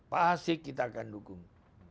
pasti kita akan dukung